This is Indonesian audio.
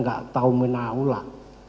gak tau menaulah